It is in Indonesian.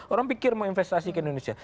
orang pikir mau investasi ke indonesia